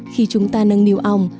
khi chúng ta nâng niều ong